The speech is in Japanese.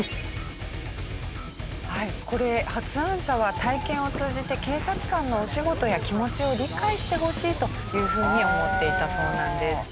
これ発案者は体験を通じて警察官のお仕事や気持ちを理解してほしいというふうに思っていたそうなんです。